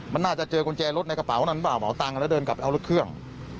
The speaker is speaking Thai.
มันน่าจะเจอกุญแจรถในกระเป๋านั้นเปล่าเหมาตังค์แล้วเดินกลับไปเอารถเครื่อง